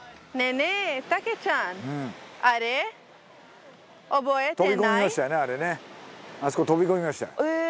あれねあそこ飛び込みましたえ